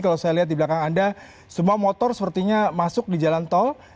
kalau saya lihat di belakang anda semua motor sepertinya masuk di jalan tol